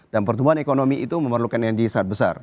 dan pertumbuhan ekonomi itu memerlukan energy besar